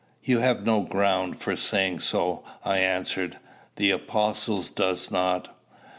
"You have no ground for saying so," I answered. "The apostle does not."